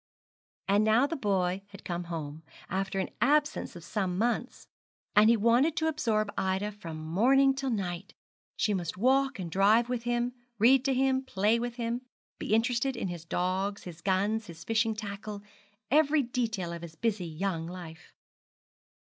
And now the boy had come home, after an absence of some months, and he wanted to absorb Ida from morning till night. She must walk and drive with him, read to him, play with him, be interested in his dogs, his guns, his fishing tackle, every detail of his busy young life.